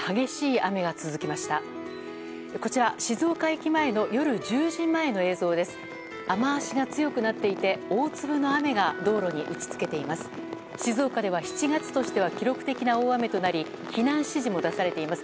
雨脚が強くなっていて大粒の雨が道路に打ち付けています。